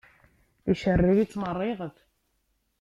Icerrew-itt meṛṛiɣet.